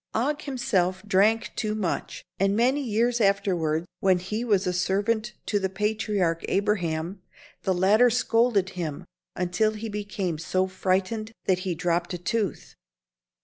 Og himself often drank too much, and many years afterward, when he was a servant to the patriarch Abraham, the latter scolded him until he became so frightened that he dropped a tooth.